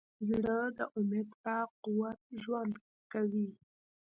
زړه د امید په قوت ژوند کوي.